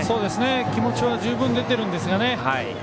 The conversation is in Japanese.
気持ちは十分、出てるんですが。